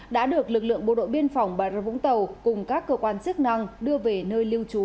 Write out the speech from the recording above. đã được lực lượng bộ đội biên phòng bà rơ vũng tàu cùng các cơ quan chức năng đưa về nơi lưu trú